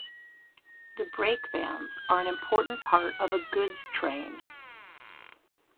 The "Brake Vans" are an important part of a goods train.